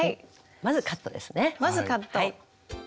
まずカットですね。